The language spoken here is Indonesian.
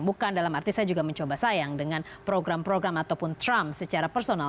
bukan dalam arti saya juga mencoba sayang dengan program program ataupun trump secara personal